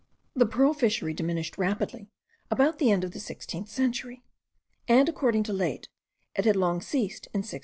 The pearl fishery diminished rapidly about the end of the sixteenth century; and, according to Laet, it had long ceased in 1633.